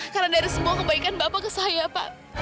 karena dari semua kebaikan bapak ke saya pak